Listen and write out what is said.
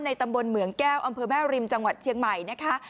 ตำบลเหมืองแก้วอำเภอแม่ริมจังหวัดเชียงใหม่นะคะ